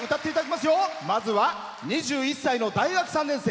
まずは、２１歳の大学３年生。